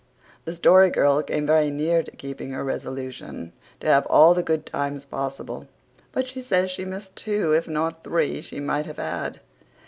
The Story Girl came very near to keeping her resolution to have all the good times possible, but she says she missed two, if not three, she might have had.